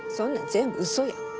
全部嘘や。